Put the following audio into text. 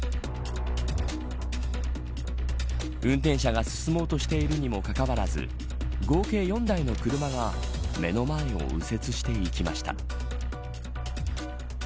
運転者が進もうとしているにもかかわらず合計４台の車が目の前を右折していきました。